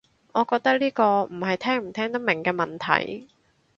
我覺得呢個唔係聽唔聽得明嘅問題